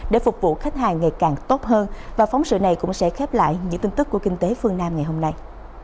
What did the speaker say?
để phục vụ khách hàng ngày càng tốt hơn và phóng sự này cũng sẽ khép lại những tin tức của kinh tế phương nam ngày hôm nay